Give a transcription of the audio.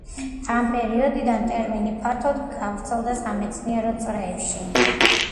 ამ პერიოდიდან ტერმინი ფართოდ გავრცელდა სამეცნიერო წრეებში.